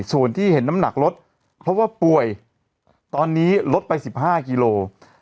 ส่วนที่เห็นน้ำหนักลดเพราะว่าป่วยตอนนี้ลดไป๑๕กิโล